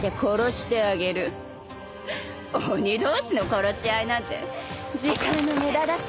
鬼同士の殺し合いなんて時間の無駄だし。